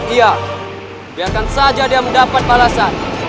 iya biarkan saja dia mendapat balasan